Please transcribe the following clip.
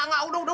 udah udah udah